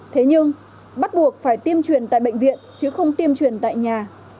thế nhưng bắt buộc phải tiêm truyền tại bệnh viện chứ không tiêm truyền tại nhà